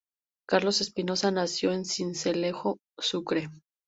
Carlos Espinosa nació en Sincelejo, Sucre.